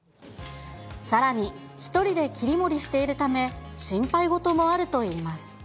さらに、１人で切り盛りしているため、心配事もあるといいます。